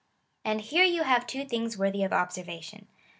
'^And here you have two things worthy of observation.